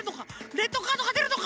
レッドカードがでるのか？